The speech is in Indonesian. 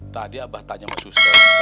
tadi abah tanya sama suster